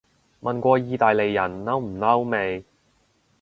問過意大利人嬲唔嬲未